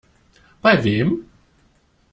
Bei wem?